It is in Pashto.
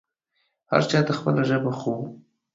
هر چا ته خپله ژبه خو